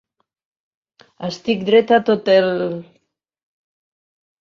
Estic dreta tot el